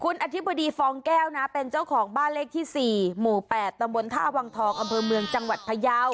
คุณอธิบดีฟองแก้วนะเป็นเจ้าของบ้านเลขที่๔หมู่๘ตำบลท่าวังทองอำเภอเมืองจังหวัดพยาว